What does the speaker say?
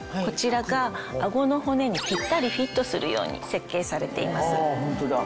こちらが顎の骨にピッタリフィットするように設計されています。